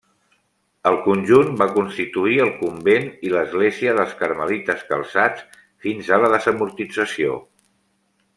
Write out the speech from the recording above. El conjunt va constituir el convent i l'església dels Carmelites Calçats fins a la desamortització.